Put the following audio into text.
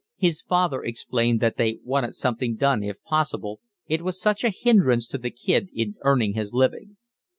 His father explained that they wanted something done if possible, it was such a hindrance to the kid in earning his living.